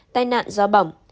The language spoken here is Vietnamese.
tai nạn do bỏng